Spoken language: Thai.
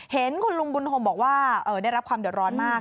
เห็นคุณลุงบุญโฮมบอกว่าได้รับความเดือดร้อนมาก